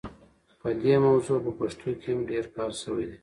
په دې موضوع په پښتو کې هم ډېر کار شوی دی.